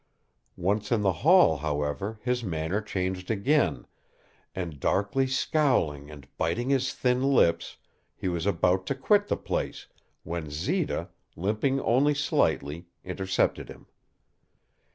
Once in the hall, however, his manner changed again, and, darkly scowling and biting his thin lips, he was about to quit the place, when Zita, limping only slightly, intercepted him.